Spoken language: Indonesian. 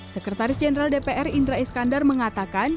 sekretaris jenderal dpr indra iskandar mengatakan